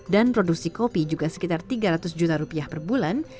dan produksi kopi juga sekitar tiga ratus juta rupiah per bulan